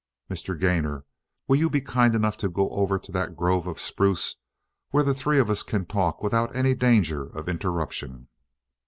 "Mr. Gainor, will you be kind enough to go over to that grove of spruce where the three of us can talk without any danger of interruption?"